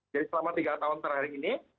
jadi selama tiga tahun terakhir ini